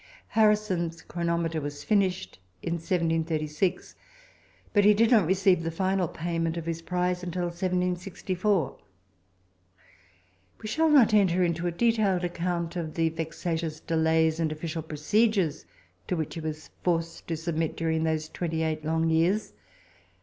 Harrison's chronometer was finished in 1736, but he did not receive the final payment of his prize until 1764. We shall not enter into a detailed account of the vexatious delays and official procedures to which he was forced to submit during those twenty eight long years.